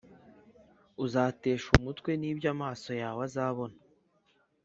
uzateshwa umutwe n’ibyo amaso yawe azabona.